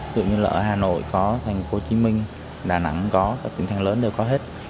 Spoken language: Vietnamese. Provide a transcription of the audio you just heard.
tự nhiên là ở hà nội có thành phố hồ chí minh đà nẵng có tỉnh thành lớn đều có hết